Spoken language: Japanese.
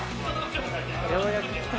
ようやくきた。